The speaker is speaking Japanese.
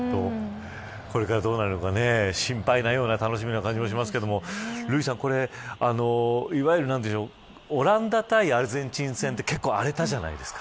これからどうなるのか心配なような楽しみな感じもしますが瑠麗さんオランダ対アルゼンチン戦って結構荒れたじゃないですか。